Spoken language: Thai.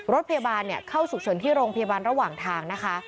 รถพยาบาลเข้าฉุกเฉินที่โรงพยาบาลระหว่างทางนะคะ